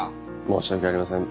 申し訳ありません。